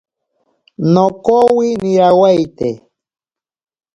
Nokowi nirawaite.